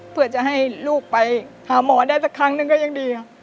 เพื่อจะให้ลูกไปหาหมอได้สักครั้งหนึ่งก็ยังดีครับ